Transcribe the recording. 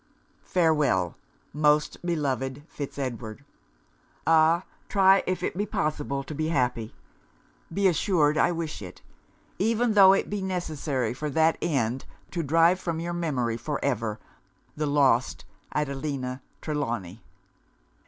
'Farewel! most beloved Fitz Edward! Ah! try if it be possible to be happy! Be assured I wish it; even tho' it be necessary for that end to drive from your memory, for ever, the lost ADELINA TRELAWNY.'